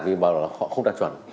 vì bảo là họ không đạt chuẩn